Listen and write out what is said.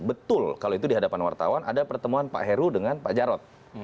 betul kalau itu di hadapan wartawan ada pertemuan pak heru dengan pak jarod